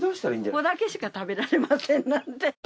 ここだけしか食べられませんなんて。